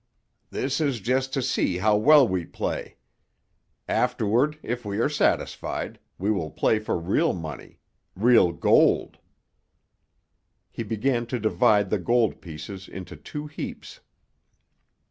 "This is just to see how well we play. Afterward, if we are satisfied, we will play for real money real gold." He began to divide the gold pieces into two heaps.